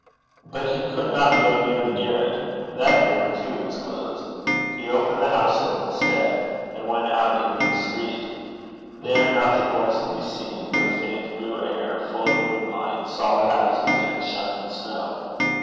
But he could not go near the garret. That door too was closed. He opened the house door instead, and went out into the street. There, nothing was to be seen but faint blue air full of moonlight, solid houses, and shining snow.